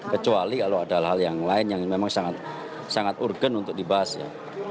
kecuali kalau ada hal yang lain yang memang sangat urgen untuk dibahas ya